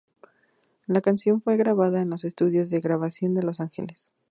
La canción fue grabada en los estudios de grabación de Los Ángeles.